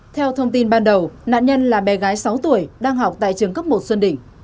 theo thông tin ban đầu nạn nhân là bé gái sáu tuổi đang học tại trường cấp một xuân đỉnh